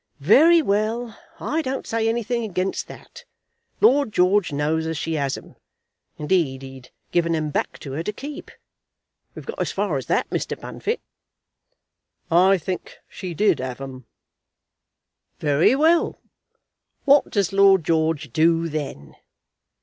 "Very well. I don't say anything against that. Lord George knows as she has 'em; indeed he'd given 'em back to her to keep. We've got as far as that, Mr. Bunfit." "I think she did 'ave 'em." "Very well. What does Lord George do then?